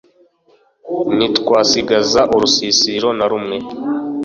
ntitwasigaza urusisiro na rumwe.